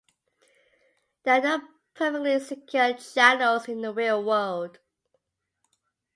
There are no perfectly secure channels in the real world.